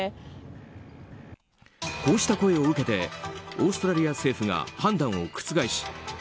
こうした声を受けてオーストラリア政府が判断を覆し